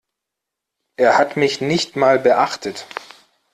Er hat mich nicht mal beachtet.